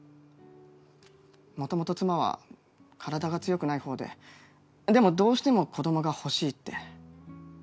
もともと妻は体が強くない方ででもどうしても子供が欲しいって。